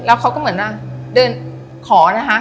แล้วเขาก็เหมือนเดินขอนะคะ